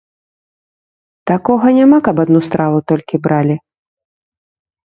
Такога няма, каб адну страву толькі бралі.